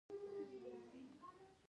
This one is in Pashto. نیکی هیلی او پیرزوینی